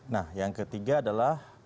nah yang ketiga adalah